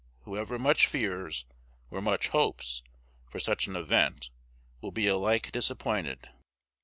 Whoever much fears, or much hopes, for such an event will be alike disappointed.